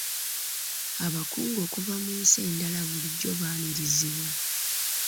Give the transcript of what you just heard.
Abakungu okuva mu nsi endala bulijjo baanirizibwa.